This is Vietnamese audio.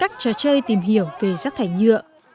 các trò chơi tìm hiểu về rác thải nhựa